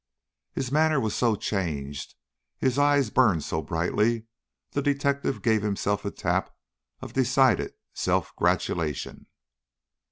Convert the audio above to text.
His manner was so changed his eye burned so brightly the detective gave himself a tap of decided self gratulation.